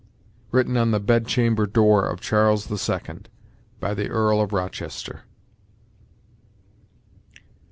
Written on the bedchamber door of Charles II, by the Earl of Rochester.